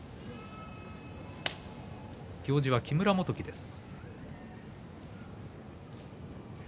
行司は木村元基です。